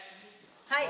はい！